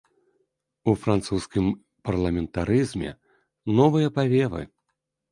У французскім парламентарызме новыя павевы.